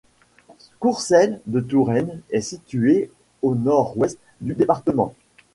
Courcelles-de-Touraine est située au nord-ouest du département.